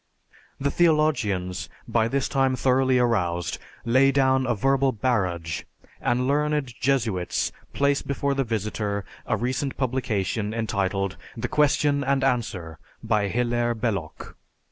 The theologians, by this time thoroughly aroused, lay down a verbal barrage, and learned Jesuits place before the visitor a recent publication entitled, "The Question and Answer" by Hilaire Belloc.